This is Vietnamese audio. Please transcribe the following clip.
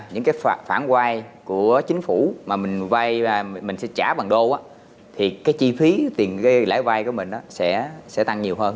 những cái phạt phản quang của chính phủ mà mình vay mình sẽ trả bằng đô thì cái chi phí tiền lãi vay của mình sẽ tăng nhiều hơn